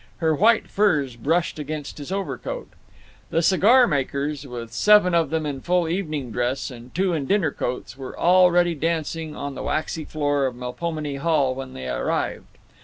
Her white furs brushed against his overcoat. The cigar makers, with seven of them in full evening dress and two in dinner coats, were already dancing on the waxy floor of Melpomene Hall when they arrived.